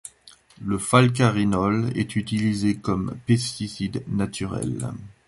Le falcarinol est utilisé comme pesticide naturel.